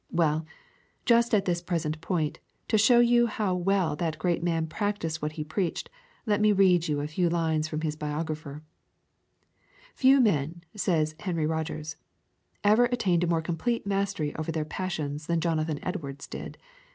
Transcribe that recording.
Well, just at this present point, to show you how well that great man practised what he preached, let me read to you a few lines from his biographer: 'Few men,' says Henry Rogers, 'ever attained a more complete mastery over their passions than Jonathan Edwards did.